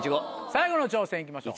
最後の挑戦いきましょう。